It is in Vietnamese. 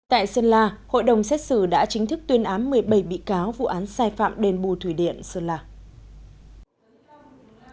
tại sơn la hội đồng xét xử đã chính thức tuyên án một mươi bảy bị cáo vụ án sai phạm đền bù thủy điện sơn lạc